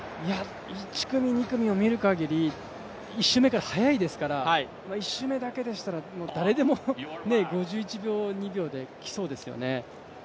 １組、２組を見るかぎり、１周目から速いですから、誰でも５１秒、５２秒できそうですよね。